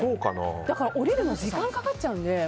だから降りるのに時間かかっちゃって。